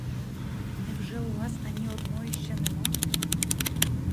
Невже у вас ані одної ще нема?